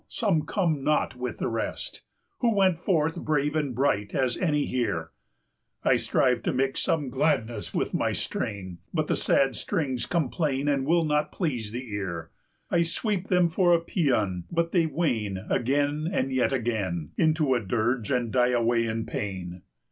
some come not with the rest, Who went forth brave and bright as any here! I strive to mix some gladness with my strain, But the sad strings complain, 240 And will not please the ear: I sweep them for a pæan, but they wane Again and yet again Into a dirge, and die away in pain.